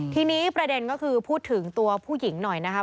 ทีนี้ประเด็นก็คือพูดถึงตัวผู้หญิงหน่อยนะครับ